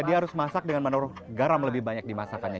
dia harus masak dengan menoroh garam lebih banyak di masakannya